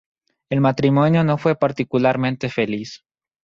El matrimonio no fue particularmente feliz.